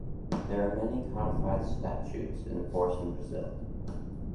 There are many codified statutes in force in Brazil.